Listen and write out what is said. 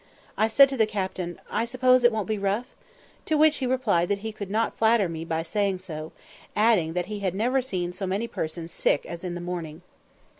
I said to the captain, "I suppose it won't be rough?" to which he replied that he could not flatter me by saying so, adding that he had never seen so many persons sick as in the morning.